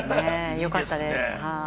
よかったです。